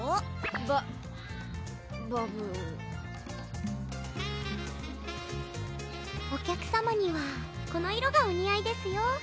ババブお客さまにはこの色がお似合いですよ